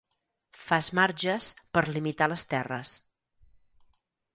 Fas marges per limitar les terres.